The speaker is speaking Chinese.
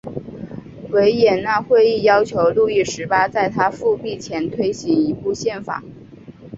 维也纳会议要求路易十八在他复辟前推行一部宪法。